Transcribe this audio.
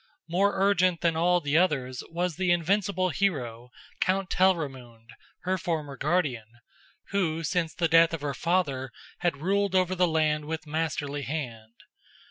More urgent than all the others was the invincible hero, Count Telramund, her former guardian, who since the death of her father had ruled over the land with masterly hand.